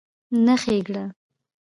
نه ښېګړه